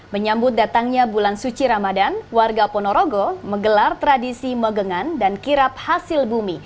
menyambut datangnya bulan suci ramadan warga ponorogo menggelar tradisi megangan dan kirap hasil bumi